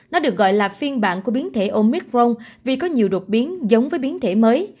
nó được gọi là phiên bản của biến thể omicron vì có nhiều đột biến giống với biến thể mới